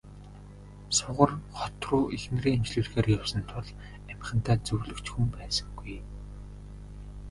Сугар хот руу эхнэрээ эмчлүүлэхээр явсан тул амьхандаа зөвлөх ч хүн байсангүй.